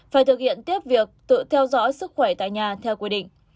phải thực hiện tiếp việc tự theo dõi sức khỏe tại nhà theo quy định